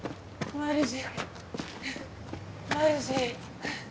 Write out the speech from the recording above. マルジ！